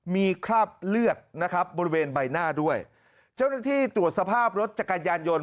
มีคราบเลือดนะครับบริเวณใบหน้าด้วยเจ้าหน้าที่ตรวจสภาพรถจักรยานยนต